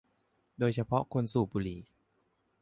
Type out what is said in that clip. โดยเฉพาะคนสูบบุหรี่